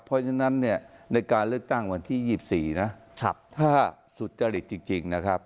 เพราะฉะนั้นเนี่ยในการเลือกตั้งวันที่๒๔นะถ้าสุจริตจริงนะครับ